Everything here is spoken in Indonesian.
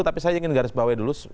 tapi saya ingin garis bawah dulu